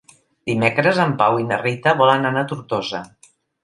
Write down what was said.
Dimecres en Pau i na Rita volen anar a Tortosa.